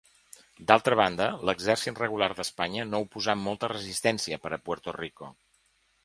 D'altra banda, l'exèrcit regular d'Espanya no oposà molta resistència per a Puerto Rico.